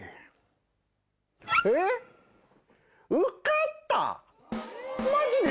えっ？